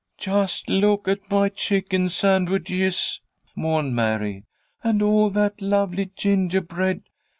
"Just look at my chicken sandwiches," mourned Mary, "and all that lovely gingerbread.